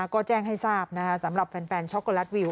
ก็แจ้งให้ทราบสำหรับแฟนช็อกโกแลตวิว